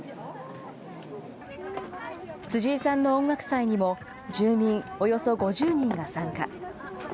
辻井さんの音楽祭にも、住民およそ５０人が参加。